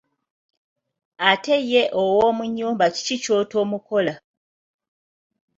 Ate ye ow'omu nyumba kiki ky'otomukola?